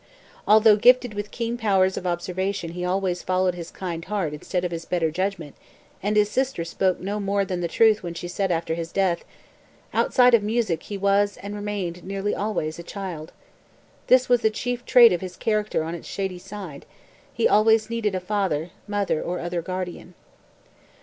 Although gifted with keen powers of observation he always followed his kind heart instead of his better judgment and his sister spoke no more than the truth when she said after his death: "Outside of music he was, and remained, nearly always, a child. This was the chief trait of his character on its shady side; he always needed a father, mother, or other guardian."